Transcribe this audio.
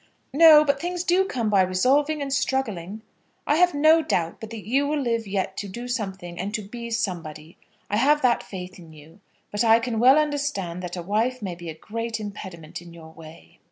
"No; but things do come by resolving and struggling. I have no doubt but that you will live yet to do something and to be somebody. I have that faith in you. But I can well understand that a wife may be a great impediment in your way."